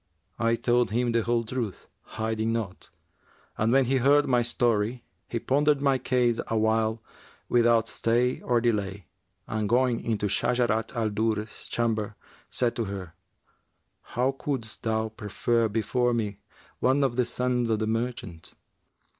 I told him the whole truth, hiding naught, and when he heard my story, he pondered my case awhile, without stay or delay, and going into Shajarat al Durr's chamber, said to her, 'How couldst thou prefer before me one of the sons of the merchants?'